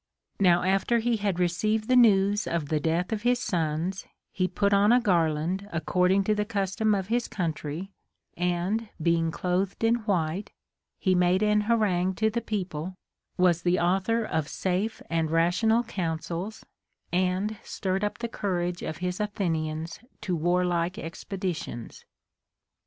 Now after he had received the news of the death of his sons, he put on a garland according to the custom of his country, and being clothed in white, he made an harangue to the people, was the author of safe and rational counsels, and stirred up the courage of his Athenians to warlike expeditions.